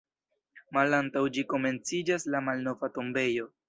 Malantaŭ ĝi komenciĝas la Malnova tombejo.